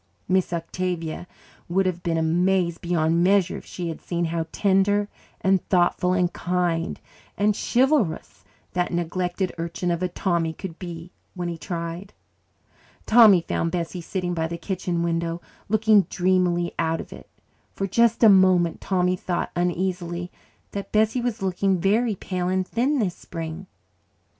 Miss Octavia would have been amazed beyond measure if she had seen how tender and thoughtful and kind and chivalrous that neglected urchin of a Tommy could be when he tried. Tommy found Bessie sitting by the kitchen window, looking dreamily out of it. For just a moment Tommy thought uneasily that Bessie was looking very pale and thin this spring.